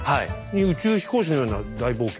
に宇宙飛行士のような大冒険。